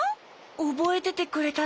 おぼえててくれたの？